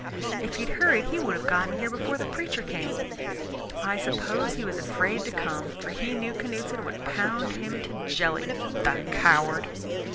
If he'd hurried he would have gotten here before the preacher came. I suppose he was afraid to come, for he knew Canuteson could pound him to jelly, the coward!"